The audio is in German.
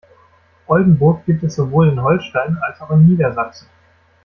Oldenburg gibt es sowohl in Holstein, als auch in Niedersachsen.